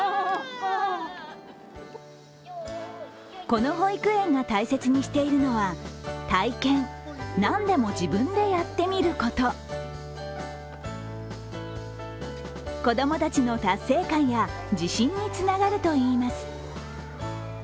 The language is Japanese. この保育園が大切にしているのは体験・何でも自分でやってみること子供たちの達成感や自信につながるといいます。